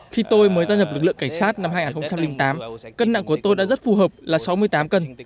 khi tôi mới gia nhập lực lượng cảnh sát năm hai nghìn tám cân nặng của tôi đã rất phù hợp là sáu mươi tám cân